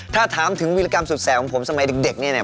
ถ้าถามถึงวิรกรรมสุดแสงของผมสมัยเด็กเนี่ย